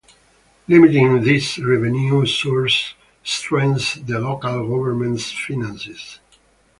Limiting these revenue sources strains the local government's finances.